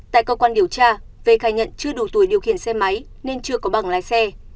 tại cơ quan điều tra vê khai nhận chưa đủ tuổi điều khiển xe máy nên chưa có bảng lái xe